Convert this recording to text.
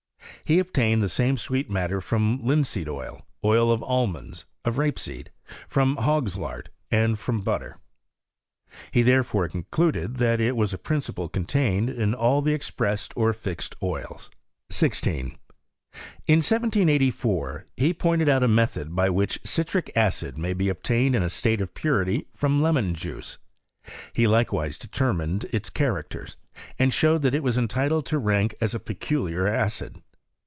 He obtained the same sweet matter from linseed oil, oil of al monds, of rape seed, from hogs* lard, and from but ter. He therefore concluded that it was a principle contained in all the expressed or fixed oils. 16. In 1784 he pointed out a method by which citric acid may be obtained in a state of purity from PROGBESS OF CHEMISTRY IK SWEDEN. 73 lemon juice. He likewise determined its characterSy and showed that it was entitled to rank as a peculiar acid.